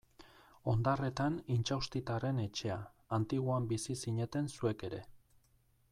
Ondarretan Intxaustitarren etxea, Antiguan bizi zineten zuek ere.